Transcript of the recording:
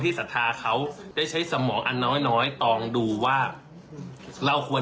ศรัทธาเขาได้ใช้สมองอันน้อยน้อยตองดูว่าเราควร